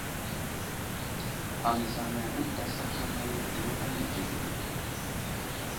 Aməzlaŋay ənta slakama yo ɗi a meltivi age.